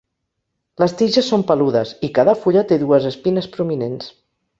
Les tiges són peludes i cada fulla té dues espines prominents.